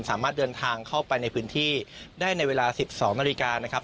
สามารถเดินทางเข้าไปในพื้นที่ได้ในเวลา๑๒นาฬิกานะครับ